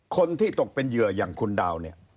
คนที่ตกเป็นเหยื่ออย่างคุณดาวเนี่ย